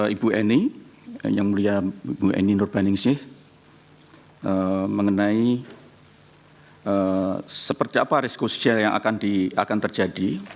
ibu eni yang mulia ibu eni nurbaningsih mengenai seperti apa risiko sejarah yang akan terjadi